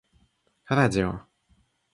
радио